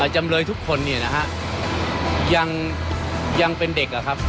จำเลยทุกคนเนี่ยนะฮะยังเป็นเด็กอะครับ